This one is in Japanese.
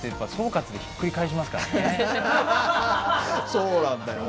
そうなんだよね。